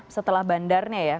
setelah bandarnya ya